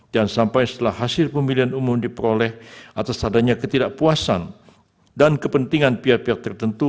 dan sampai setelah hasil pemilihan umum diperoleh atas adanya ketidakpuasan dan kepentingan pihak pihak tertentu